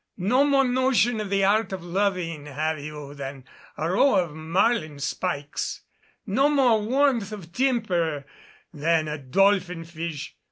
No more notion of the art of loving have you than a row of marlinespikes, no more warmth of temper than a dolphinfish!